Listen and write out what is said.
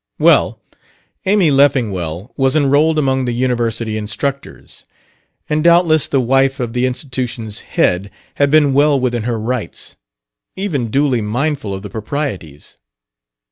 Well, Amy Leffingwell was enrolled among the University instructors, and doubtless the wife of the institution's head had been well within her rights, even duly mindful of the proprieties.